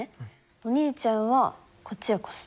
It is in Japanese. お兄ちゃんはこっちをこすって。